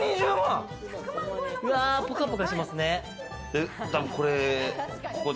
ポカポカしますね。